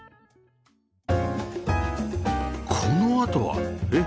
このあとはえっ？